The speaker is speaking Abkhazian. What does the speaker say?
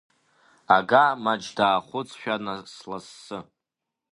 Ага маџьдаахәыцшәа, наслассы.